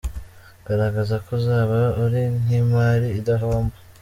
Garagaza ko uzaba uri nk’imari idahomba.